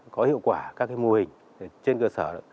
có hiệu quả các mô hình trên cơ sở